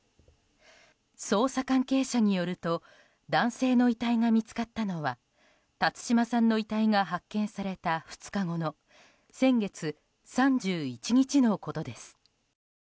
捜査関係者によると男性の遺体が見つかったのは辰島さんの遺体が発見された２日後の先月３１日のことです。